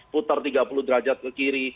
putar tiga puluh derajat ke kiri